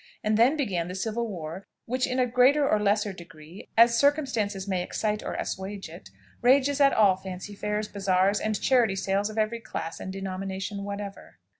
And then began the civil war which in a greater or less degree, as circumstances may excite or assuage it, rages at all fancy fairs, bazaars, and charity sales of every class and denomination whatever.